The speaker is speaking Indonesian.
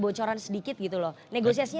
bocoran sedikit gitu loh negosiasinya